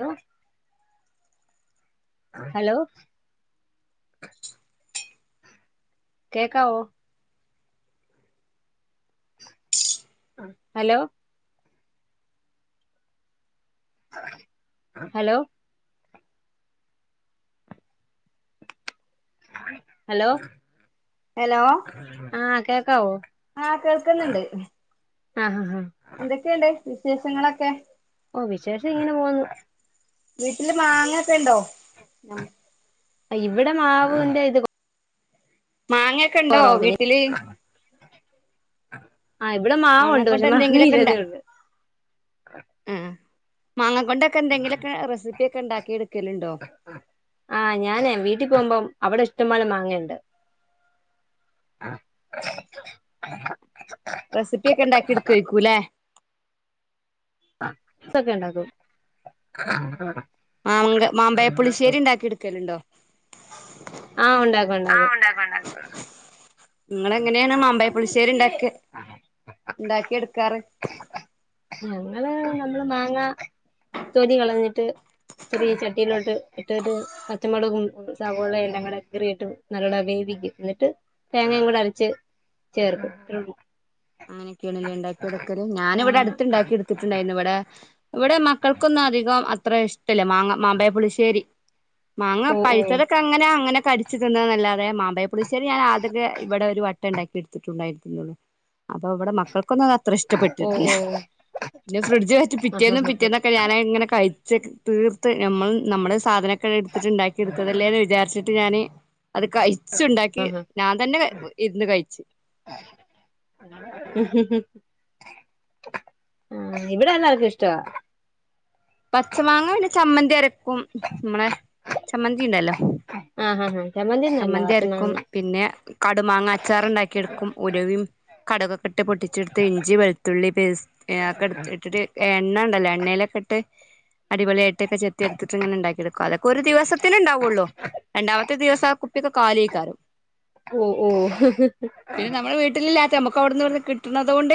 ങ്ങേ [inaudible] hello... hello... hello hello ആ കേട്ട് ആ. കേൾക്കുന്നുണ്ട്. അ അ. ആഹ എന്തൊക്കെയുണ്ട്, വിശേഷങ്ങളൊക്കെ. ഓ വിശേഷം ഇങ്ങനെ പോന്നു വീട്ടില് മാങ്ങായൊക്കെ ഉണ്ടോ? ഇവിടെ മാവിന്റെ ഇത് പൂ.. മാങ്ങയൊക്കെ ഉണ്ടോ വീട്ടില്. ങ്ങാ മാങ്ങ കൊണ്ട് എന്തെങ്കിലും മൊക്കെ ഉണ്ടാ.. ഉള്ളൂ ആ.. മാങ്ങ കൊണ്ടൊക്കെ എന്തെങ്കിലുമൊക്കെ റെസീപ്പിയൊക്കെ ഉണ്ടാക്കി എടുക്ക അ ഞാനേ വീട്ടിൽ പോകുമ്പം അവിടെ ഇഷ്ടംപോലെ മാങ്ങ ഉണ്ട് റെസീപ്പിയൊക്കെ ഉണ്ടാക്കി എടുക്കുവായിരിക്കൂല്ലേ അതൊക്കെ ഉണ്ടാകും ആ ആ [unintelligible] മാമ്പയെപ്പളിശ്ശേരിണ്ടാക്കി എടുക്കലുണ്ടോ ആഹ ഉണ്ടാക്കും ഉണ്ടാക്കും ഇങ്ങൾ എങ്ങനെയാണ് മാമ്പായപ്പളിശേരി ഇണ്ടാക്ക ഇണ്ടാക്കി എടു ക്കാർ ഉം ന്നലെ നമ്മള് മാങ്ങ തൊലികളഞ്ഞിട്ട് ചെറിയ ചട്ടിയിലോട്ട് ഇട്ടട്ട് പച്ചമുളകും സവോളേം എല്ലാം കൂടെ കീറിയിട്ട് നല്ലോട വേവിക്കും എന്നിട്ട് തേങ്ങയും കൂടെ അരച്ച് ചേർക്കും അങ്ങനെയൊക്കെഏൺ ലെ ണ്ടാക്കി എടുക്കല് ഞാൻ ഇവിടെ ആഹ് അടുത്ത് ഇണ്ടാക്കി എടുത്തിട്ടുണ്ടായിരുന്നു ഇവിടെ ഇവിടെ മക്കൾക്കൊന്നും അധികം അത്ര ഇഷ് ട്ടല്ല മാങ്ങ മാമ്പയപ്പുളിശ്ശേരി മാങ്ങ ഓ ഓ പയ്ത്തതൊക്കെ അങ്ങനെ അങ്ങനെ കടി ച്ച് തിന്ന അല്ലാതെ മാമ്പയപ്പുളിശ്ശേരി ഞാൻ അതൊക്കെ ഇവിടെ ഒരു വട്ടം ഉണ്ടാക്കിതട്ട്ണ്ടായിരുന്നുള്ളു അപ്പൊ ഇവിടെ മക്കൾക്കൊന്നും അത്ര ഓ ഇഷ്ടപ്പെട്ടിട്ടില്ല ഓ പിന്ന ഫ്രിഡ്ജ് വെച്ച് ആഹ് പിറ്റേന്നും ആഹ് ആഹ് പിറ്റേന്നൊക്കെ ഞാനയിങ്ങനെ കഴി ച്ചക് തീർത്ത് നമ്മൾ നമ്മളെ സാധന [unintelligible] എടുത്തിട്ടുണ്ടാക്കി എടുത്തതല്ലേന് വിചാരിച്ച് ട്ട് ഞാന് അത് കരിച്ചിണ്ടാക്കി ആഹ് ഞാൻ തന്നെ ഇരുന്ന് കഴിച്ച്. ആ ഇവടെ എല്ലാർക്കും ഇഷ്ട്ടവാ. പച്ച മാങ്ങ പിന്നെ ചമ്മന്തി അരക്കും മ്മളെ ചമ്മന്തി ഉണ്ടല്ലോ ആഹ് ആഹ് ആഹ് ഒന്നുമല്ല ചമ്മന്തി അരക്കും പച്ചമാങ്ങ പിന്നെ കടുമാങ്ങ അച്ചാറിണ്ടാക്കി എടുക്കും ഉലുവയും കടുകൊക്കെ ഇട്ട് പൊട്ടി ച്ചെടുത്ത് ഇഞ്ചി വെളുത്തുള്ളി പേസ് ഒക്കെ ഇട്ടിട്ട് എണ്ണണ്ടല്ലോ എണ്ണയിലൊക്കെ ഇട്ട് അടിപൊളി ആയിട്ടൊക്കെ ചെത്തി എടുത്തിട്ട് ഇങ്ങനിണ്ടാക്കി എടുക്കും അതൊക്കെ ഒരു ദിവസത്തിനിണ്ടാവുള്ളൂ രണ്ടാമത്തെ ദിവസം കുപ്പിയൊക്കെ കാലിയായിക്കാരും. ഓ ഓ പിന്നെ നമ്മള് വീട്ടിലില്ലാത്ത നമ്മുക്ക് അവിടുന്നും ഇവിടുന്നും കിട്ടണത് കൊണ്ട്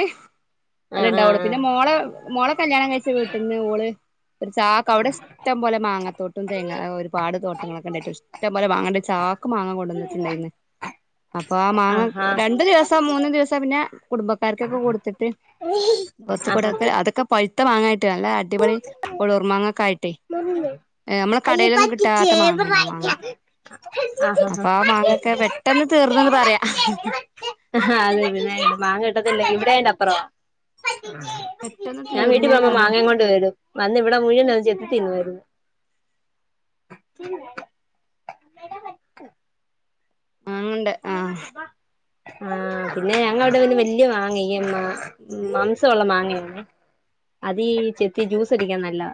അല്ല ആഹ് ഇണ്ടാവുള്ളൂ ആഹ് പിന്നെ മോളെ മോളെ കല്യാണം കഴിച്ച വീട്ടിന്ന് ഓള് ഒരു ചാക്കവിടെ ഇഷ്ടം പോലെ മാങ്ങത്തോട്ടം തേങ്ങ ഒരുപാട് തോട്ടങ്ങളൊക്കെ ഉണ്ടായിട്ടും ഇഷ്ടംപോലെ വാങ്ങണ്ടെ ചാക്ക് ക് മാങ്ങ കൊണ്ടന്നിട്ട്ണ്ടായിന്ന് അപ്പൊ ആ മാങ്ങ ആഹ് രണ്ടു ദിവസൊ മൂന്ന് ദിവസൊ പിന്നെ കുടുംബക്കാർക്കൊക്കെ കൊടുത്തിട്ട് ആഹ് ആഹ് കൊറച്ചുകുടൊക്കെ അതൊക്കെ പഴുത്ത മാങ്ങായിട്ട് നല്ല അടിപൊളി ഒളൂർ മാങ്ങക്കെ ആയിട്ടേ നമ്മള അയ്യോ കടയിലൊന്നും പറ്റിച്ചേ കിട്ടാത്ത മാങ്ങനാ മാങ്ങ അപ്പൊ ആ മാങ്ങക്കെ പെട്ടെന്ന് തീർന്നന്ന് പറയാ ഇവിടെണ്ട് അപ്പറൊവാ പെട്ടെന്ന് ഞാൻ വീട്ടിൽ തീർന്നുന്ന് പോമ്പ പറയാ മാങ്ങയും കൊണ്ട് വരും വന്ന് ഇവിടെ മുഴുവൻ ചെത്തി തിന്നവായിരുന്നു ഉം ണ്ട് ആ ആ പിന്നെ ഞങ്ങവിടെ പിന്നെ വല്ല്യ മാങ്ങയ്ന് മാംസുള്ള മാങ്ങയന്നേ അതീ ചെത്തി ജ്യൂസ് അടിക്കാൻ നല്ലത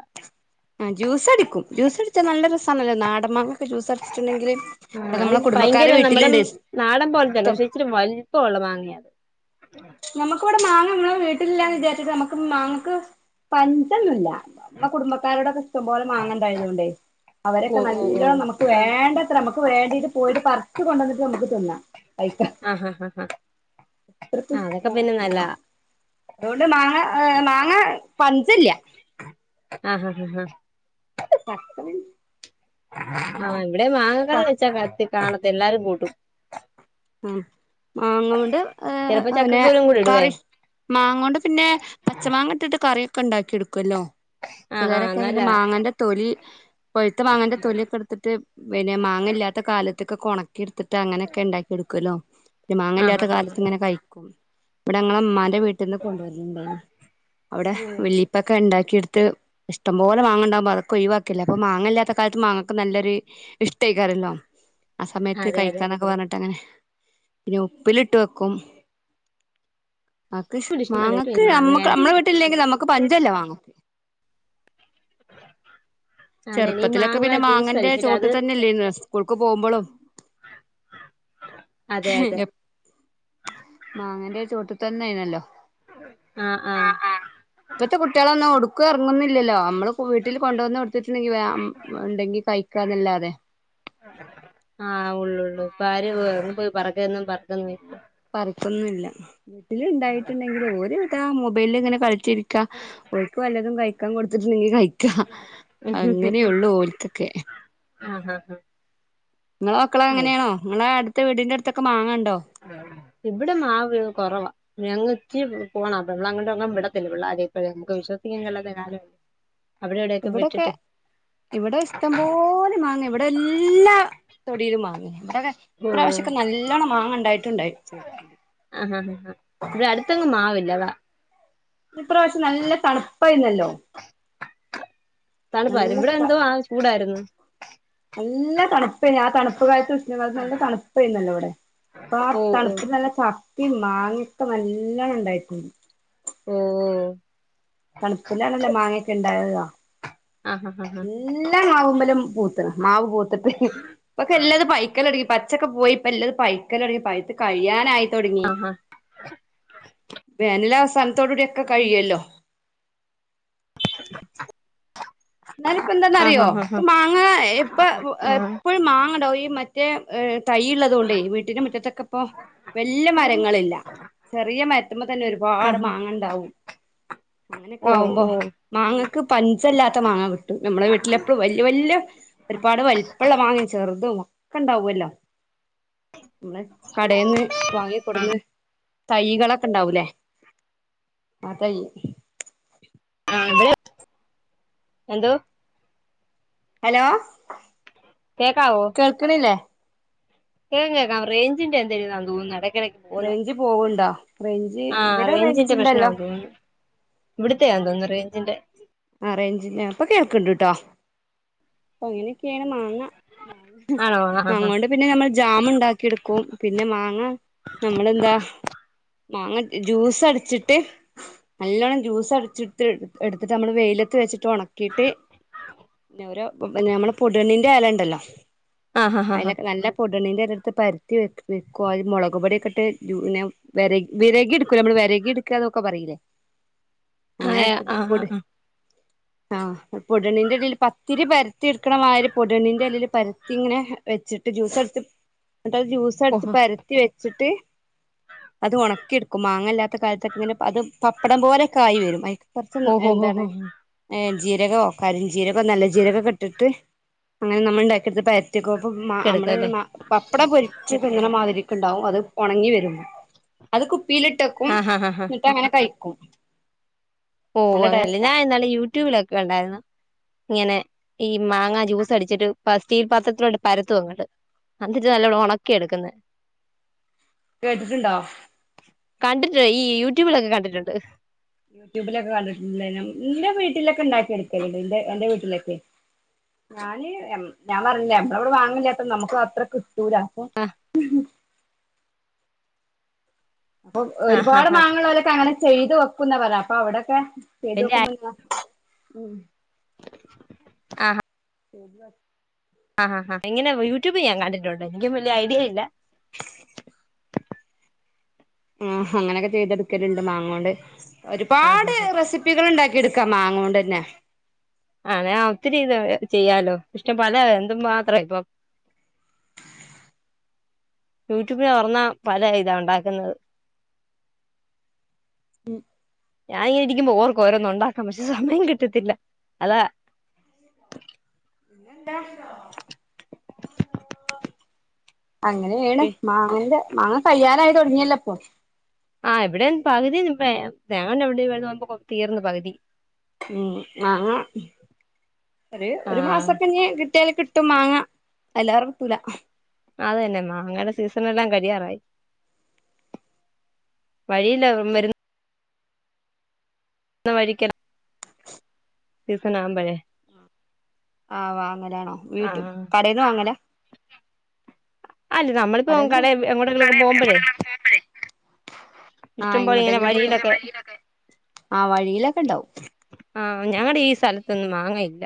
ജ്യൂസ് അടിക്കും ജ്യൂസ് അടിച്ചാ നല്ല [unintelligible] അടിച്ചിട്ടുണ്ടെങ്കില് ഉം ഇവിടെ അത് നമ്മളെ കുടുംബക്കാരെ ഭയങ്കര നമ്മുടെ വീട്ടിലുണ്ട് ഇഷ്ടം നാടൻ പോലത്തെല്ലോ ഇച്ചരി വലുപ്പമള്ള മാങ്ങിയ അത് നമുക്ക ഇവിടെ മാങ്ങ [unintelligible] വീട്ടിലില്ലാന്ന് വിചാരിച്ചിട്ട് നമ്മക്ക് മാങ്ങ ക്ക് പഞ്ചൊന്നുംല്ല ന കുടുംബക്കാരോടൊക്കെ ഇഷ്ടം പോലെ മാങ്ങണ്ടായതുകൊണ്ടേ ഓ അവരൊക്കെ ഓ ഓ നല്ലോണം നമുക്ക് വേണ്ടത്ര നമുക്ക് വേണ്ടീട്ട് പോയിട്ട് പറച്ച് കൊണ്ട വന്നിട്ട് നമുക്ക് തിന്ന ആഹ് ആ ആഹ് അത്രക്ക് ആ ആതേ ക്ക പിന്നെ നല്ലതാ അതുകൊണ്ട് മാങ്ങ മാങ്ങ പഞ്ച്ല്ല്യ ആഹ് ഹഹ് ആഹ് ആഹ പട്ട [unintelligible] [unintelligible] ഇവിടെ മാങ്ങകറി വെച്ചാ കത്തി കാണ അതെല്ലാരും കൂട്ടും ആ മാങ്ങ കൊണ്ട് ഏ ചിലപ്പോ പിന്നെ ചക്കക്കുരും കൂടി ഇടുവേ കറി മാങ്ങ കൊണ്ട് പിന്നെ പച്ച മാങ്ങ ഇട്ടിട്ട് കറി കണ്ടാക്കിയെടുക്കും ക്കൊല്ലോ ആഹ് ആഹ് ചിലരൊക്കെ പിന്നെ നല്ലതാ മാങ്ങന്റെ തൊലി പൊഴുത്തു മാങ്ങേന്റെ തൊലിയൊക്കെ എടുത്തിട്ട് പിന്നെ മാങ്ങ ഇല്ലാത്ത കാലത്ത് ഇതൊക്കൊണ ക്കിട്ത്തിട്ട് അനെയൊക്കെണ്ടാക്കി എടുക്കുല്ലോ മാങ്ങ ആഹ് ഇല്ലാത്ത ആഹ് ആഹ് കാലത്ത് ഇങ്ങനെ കഴിക്കും ഇവിടെ ങ്ങ ഉമാന്റെ വീട്ടിന്ന് കൊണ്ടുവരുന്നുണ്ടായിരുന്നു അവിടെ ഉം വല്ലിപ്പൊക്കെ ഉണ്ടാ കിട്ത്ത് ഇഷ്ടം പോല മാങ്ങണ്ടവുമ്പോ അതൊക്കെ ഒഴിവാ ക്ക്ല്ല അപ്പൊ മാങ്ങ ഇല്ലാത്ത കാലത്ത് മാങ്ങക്ക് നല്ലൊരു ഇഷ്ടേക്കാരല്ലോ ആ സമയത്ത് അതെ അതെ കഴിക്കാനൊക്കെ പറഞ്ഞട്ട് അങ്ങനെ പിന്നെ ഉപ്പിലിട്ട് വെക്കും ആക്ക് ഇഷ്ടമല്ല മാങ്ങക്ക് നമ്മക്ക് മാങ്ങയുടെ നമ്മടെ വീട്ടില്ലെങ്കിൽ നമ്മുക്ക് പഞ്ചല്ലേ മാങ്ങക്ക് അതെ ഈ ചെറുപ്പത്തിലൊക്കെ മാങ്ങ പിന്നെ ജ്യൂസ് മാങ്ങന്റെ അടിച്ചിട്ട് ചോട്ട് അത് തന്നെല്ലേ ഇന്ന് സ്കൂൾക്ക് പോകുമ്പോളും അതെ അതെ മാങ്ങൻ്റെ തൊട്ടു തന്ന ആയിനെലോ ആഹ ആഹ എവിടേക്കും ഇറങ്ങുന്നില്ലല്ലോ നമ്മൾ വീട്ടിൽ കൊണ്ടുവന്ന് കൊടുത്തിട്ടുണ്ടെങ്കിൽ ഉണ്ടെങ്കിൽ കഴിക്കാൻ [inaudible] അതല്ലാതെ ആഹ ഉള്ളള്ളൂ ഇപ്പൊ ആര് പോയി പറക്കും പറക്കന്ന പറിക്കൊന്നില്ല വീട്ടിൽ ഉണ്ടായിട്ടുണ്ടെങ്കിൽ ഒരുവിധ മൊബൈൽ എങ്ങനെ കളി ചിരിക്ക ഓൽക്ക് വല്ലതും കഴി കഴിക്കാൻ കൊടുത്തിട്ടണ്ടെിൽ കഴി അങ്ങനെയള്ളു ഓലക്കൊക്കെ ആഹ ആഹ ആഹ നിങ്ങളെ മക്കളെ അങ്ങനെയാണോ നിങ്ങള അടുത വീടിന്റെ അടുത്ത് [unintelligible] മാങ്ങാ ഇവിടെ മാവ് കുറവാ ഞങ്ങ എത്തി പോണം അപ്പ നമ്മള അങ്ങോട്ട് ഇവിടെ പെൺപിള്ളേരെ വിടത്തില്ല പിള്ള അഴഞക്ക് വിശ്വസിക്കാൻ [inaudible] ഇവിടൊക്കെ വിട്ടിട്ട് ഇവിടെ ഇഷ്ടം പോലെ മാങ്ങ ഇവിടെ എല്ലാ തൊടിയിലും മാങ്ങ ഇവിടെയൊക്കെ ഇപ്രാവശ്യക്കെ നല്ലോണം മാാങ്ങണ്ട ആഹ ഹാ ഹ ഹാ ഇവിടെ അടുത്തെങ്ങും മാവില്ല അതാ ഇപ്രാവശം നല്ല തണുപ്പ ഇന്നല്ലോ നല്ല തണുപ്പായിരുന്നു ഇവിടെ തണുപ്പ് എന്തോ ആ ചൂടായിരുന്നു നല്ല തണുപ്പായി ആ തണുപ്പ് കായത്ത് വിത് നല്ല തണുപ്പായിന്നല്ലോ ഇവിടെ അപ്പൊ ആ ഓഹ് ഓഹ് തണുപ്പ നല്ല ചപ്പി മാങ്ങൊക്കെ നല്ല എല്ലാം ഉണ്ടായിട്ടും ഓഹ് തണുപ്പിലാണല്ലോ മാങ്ങയൊക്കെ ഉണ്ട് ആഹ് ആഹ് ണ്ടാ [inaudible] എല്ലാം ആകുമ്പോ [unintelligible] പൂത്ത്ണ് മാവ് [unintelligible] പ്പക്ക് എല്ലതും പയ്ക്കനെടി പ ച്ചൊക്കെ പോയി ഇപ്പ എല്ലതും പയ്ക്കലെടി പയ്ത്ത് കഴിയനായി തൊട്ങ്ങി വെനില എസ് തൺതോട് ഉടി ക്കെ കഴിയൊല്ലോ. [unintelligible] ഞാനിപ്പം എന്തന്ന ആഹ് അറിയോ ആഹ് ആഹ് ആഹ് മാങ്ങ ഇപ്പൊ ആഹ് എപ്പോഴും മാങ്ങ ഉണ്ടാവും ഇ മറ്റേ എ തൈള്ളതൊണ്ടേ വീട്ടിന്റെ മുറ്റത്തൊക്കെ ഇപ്പം വെല്യ മരങ്ങള്ല്ല ചെറിയ മര്ത്ത്മ്മതന്നെ ഒരുപാട് ആഹ് മാങ്ങണ്ടാവും അങ്ങനെക്കെ ഓഹ് ആവുമ്പോ ഓഹ് മാങ്ങ ഇക് പഞ്ചൽ ത്ത മാങ്ങാൻ കിട്ടും നമ്മള വീട്ടില് എപ്പയും വല്യ വല്യ ഒര്പാട് വല്പ്പള്ള മാങ്ങം ചെർതും ഒക്കെ ഇണ്ടാവല്ലോ മ്മളെ കടെന്ന് വാങ്ങി കൊട്ന്ന് തൈകളൊക്കെ ണ്ടാവൂലേ ആ തൈ ആ അതെ എന്തോ ഹലോ കേൾക്കണില്ലേ കേകേക്കാം റേഞ്ചിന്റെ എന്തേലും ഇതാന്ന് തോന്നുന്നു എട റേഞ്ച് പോകുണ്ടോ ആ റെയ്ഞ്ചിന്റെ പ്രശ്നാന്ന് തോന്നുന്നു. ഇവിടത്തെയാന്ന് തോനുന്നു റെ എന്റെ ആ റെയ്ഞ്ചില്ല ഇപ്പ കേൾക്കണ്ട്ട്ടോ അങ്ങനെ ക്കെ യാണ് മാങ്ങ മാങ്ങ ആണോ ആ മാങ്ങ കൊണ്ട് പിന്നെ നമ്മൾ ജാംമുണ്ടാക്കി എടുക്കും. പിന്നെ മാങ്ങ നമ്മളെന്താ മാങ്ങ ജ്യൂസടിച്ചിട്ട് നല്ലൊണ്ണം ജ്യൂസടിച്ചിട്ട് എടു എടുത്തി നമ്മള് വെയിലത്ത് വച്ചി ട്ട് ഉണക്കിയിട്ട് പിന്ന ഒരൊ നമ്മള് പുതിനെന്റെ എല ഉണ്ടല്ലോ ആ ആ ആ ആ അയിനൊക്കെ നല്ല പുതിനെന്റെ ഇല എടു ഇത്പരുത്തി വെ വെക്കുവ അത് മുളക് പൊടിയൊക്കെട്ട് പിന്നെ വിരകി വിരകി എടുക്കൂല്ല നമ്മള് വിരകി എടുക്കുക എന്നൊക്കെ പറയിലേ ആ ആ ആ ആ പുതിനേന്റെ ഇലെല് പത്തിരി എടുക്കണ മാതിരി പുതിനെന്റെ ഇലെല് പരത്തി ഇങ്ങനെ വെച്ചിട്ട് ജ്യൂസ് എടുത്ത് എന്നിട്ടത് ജ്യൂസടിച്ച് ഓഹോ പരത്തി വെച്ചിട്ട് അത് ഉണക്കിയെടുക്കും മാങ്ങ ഇല്ലാത്ത കാലത്തൊക്കെ ഇങ്ങനെ അത് പപ്പടം പോലെ ക്കായി വരും അയിക്ക് കുറച്ചും ഓഹോ ഹോ എന്താ ഹോ ണെ ഏ എൻ ജീരകോ കരിഞ്ജീരകോ നല്ല ജീരകോക്കെട്ടിട്ട് അങ്ങനെ നമ്മൾ ഉണ്ടാക്കിയെടുത്ത് [unintelligible] ഒത്തിക്കപ്പം നമ്മള ഒരു കെടുക്കല്ലേ പപ്പട പൊരി [unintelligible] പിങ്ങണെ മാതിരിക്ക ഉണ്ടാവും അത് ഉണങ്ങി വരുമ്പ അത് കുപ്പീലിട്ട് വക്കും ആ ആ ആ ആ എന്നിട്ടങ്ങനെ കയിക്കും [unintelligible] ഓ അങ്ങനെ ഞാൻ ഇന്നലെ യൂട്യൂബിലൊക്കെ കണ്ടായിരുന്നു [unintelligible] മാങ്ങ ജ്യൂസ് അടിച്ചിട്ട് ഇപ്പ സ്റ്റീൽ പാത്രത്തിലോട്ട് പരത്തും അങ്ങട്ട് എന്നിട്ട് നല്ല ഉണക്കി എടുക്കുന്ന കേട്ടിട്ടുണ്ടോ കണ്ടിട്ട ഈ യൂട്യൂബിലൊക്കെ കണ്ടിട്ടുണ്ട് യൂട്യൂബിലൊക്കെ കണ്ടിട്ട് നിന്റെ വീട്ടിലൊക്കെ ഉണ്ടാക്കി എടുക്കണ്ട് എന്റെ വീട്ടിലൊക്കെ ഞാന് ഞാൻ പറഞ്ഞില്ലേ നമ്മടെ ഇവിടെ വാങ്ങലാത്ര നമ്മുക്ക് അത്ര രു രാസോ അപ്പൊ ആ ആ ഒരുപാട് ആ മാങ്ങൾലൊക്കെ അങ്ങനെ ചെയ്തു വെക്കുന്നവരാ അപ്പൊ അവിടൊക്കെ ഏതോക്കെ വല്യ [unintelligible] ഉം ആ ആ ശരി വ ആ ഹ ഹ എങ്ങനെ യൂട്യൂബ് ഞാൻ കണ്ടിട്ടുണ്ട് എനിക്ക് വലിയ ഐഡിയ ഇല്ല ആഹ അങ്ങനെയൊക്കെ ചെയ്തെടുക്കലുണ്ട് മാങ്ങോണ്ട് ആ ഒരുപാട് റെസിപ്പികൾ ഉണ്ടാക്കി എടുക്കും ക്ക മാങ്ങ കൊണ്ടന്നെ ആണ ഒത്തിരി ഇത് ചെയ്യാലോ ഇഷ്ടം പല എന്ത മാത്ര ഇപ്പൊ യൂട്യൂബന് തൊർന്നാ പല ഇതാ ഉണ്ടാക്കുന്നത് ഞാൻ ഇങ്ങനെ ഇരിക്കുമ്പോ ഓർക്കും ഓരോന്നും ഒണ്ടാക്കാം പക്ഷെ സമയം കിട്ടത്തില്ല അതാ [unintelligible] അങ്ങനെയാണ് മാങ്ങന്റെ മാങ്ങ കയ്യാനായി തൊടങ്ങിയല്ലപ്പൊ ആ ഇവിടെം പകുതി തേങ്ങണ്ട് [unintelligible] തീർന്ന് പകുതി ഉം മാങ്ങ ഒരു ആ ഒരു മാസൊക്കെ നി കിട്ടിയാല് കി ഇട്ടും മാങ്ങ [unintelligible] അതന്നെ മാങ്ങടെ സീസണെല്ലാം കഴിയാറായി വഴിയില്ല വരു അന്ന് വഴിക്കണം സീസണാവുമ്പഴെ ആ വ അങ്ങലാണോ ആ വീട്ടും കടയിന്ന് വാങ്ങല അല്ല നമ്മളിപ്പോ കടേന്ന് കട എങ്ങോട്ടങ്കുലുമൊക്കെ പോകുമ്പോലേ ആഹ് ഇഷ്ടംപലെ ഇങ്ങനെ എങ്ങോട്ടെങ്കിലൊക്കെ വഴിയിലൊക്കെ ആഹ് വഴിയിലൊക്കെ ഇണ്ടാവും ആ ഞങ്ങടെ ഈ സ്ഥലത്തൊന്നും മാങ്ങയില്ല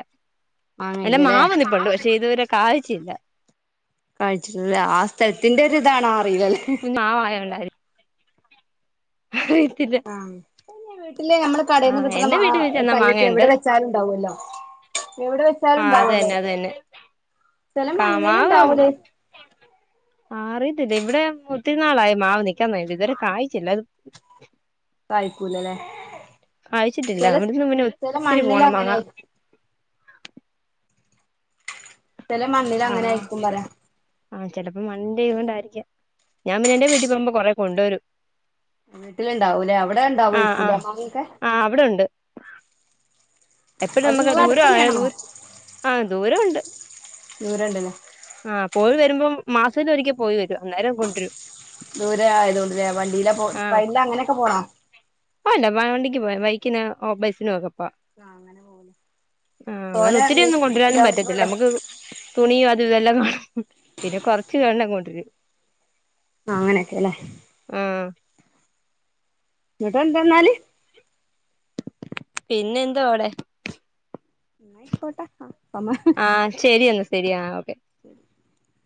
അല്ല വാങ്ങലില്ലല്ലേ മാവനിപ്പുണ്ട് പക്ഷെ ഇതുവരെ കായ്ച്ചില്ല കഴിച്ചിട്ട്ല്ല ആ സ്ഥലത്തിൻ്റൊരു ഇതാണോ അറിയില്ലല്ലേ [unintelligible] അറിയത്തില്ല. എ [unintelligible] ഇല്ല നമ്മള് ആ കടയിൽന്ന് കിട്ടുന്ന എന്റെ മാ വീട്ടിൽ ചെന്നാ തയ്യൊക്കെ മാങ്ങയുണ്ട് എവിടെ വെച്ചാലുംണ്ടാവുല്ലോ എവടെ ആ അത് സലുണ്ടാവൊല്ലോ തന്നെ അവ്ടെ അത് തന്നെ സ്ഥലം കാ മണ്ണില് ഉണ്ടാവൂലേ ആ അറിയത്തില്ല ഇവിടെ ഒത്തിരിനാളായി മാവ് നിക്കാൻ തുടങ്ങിയിട്ട് ഇതൊരു കായ്ച്ചില്ല അത് കായ്ക്കൂലല്ലേ കായ്ച്ചിട്ടില്ല ചില ഇവിടുന്ന് പിന്നെ ചില ഒത്തിരി മണ്ണിൽ പോണം അങ്ങനെ മാങ്ങ ആയിരിക്കും ചില മണ്ണിൽ ആ അങ്ങനെ ആയിരിക്കും പറയാ ചെയ്തോണ്ടായിരിക്ക ഞാൻ പിന്നെ എന്റെ വീട്ടിൽ പോകുമ്പോ കൊറ കൊണ്ടുവരും. വീട്ടില് ഇണ്ടാവൂലേ അവിടെ ആ ആ ഉണ്ടാവെകുലെ മാങ്ങ ഒക്കെ ആ [unintelligible] എപ്പഴ നമുക്ക് ദൂര ആ തന്നെയാണോ ദൂർ ആ ദൂരമുണ്ട് നൂറ്ണ്ടല്ലേ മാസത്തില് ഒരിക്കെ പോയി വരും അന്നേരം കൊണ്ടരും. ദൂരെ ആയത കൊണ്ട്ല്ലേ വണ്ടയില പോ ഫൈല അങ്ങനെയൊക്കെ പോണ [unintelligible] അല്ല വണ്ടിക്ക് പോയാ ബൈക്കിനൊ ബസിനോ ഒക്കെ ആ അങ്ങനെ പോവല് ആ തോനെ ഒത്തിരി മീ ഒന്നും കൊണ്ടുവരാനും പറ്റത്തില്ല കിലോമീറ്ററുണ്ടോ നമുക്ക് തുണിയും അത് [unintelligible] പിന്നെ കൊറച്ച് വെള്ളം കൊണ്ടരും ആ അങ്ങനെ യല്ലേ എന്നിട്ട എന്തെന്നാല് പിന്നെ എന്താ അവിടെ ആയ്ക്കോട്ടെ അ ആഹ ശരി എന്ന് ശരിയാ ഓക്കെ [inaudible]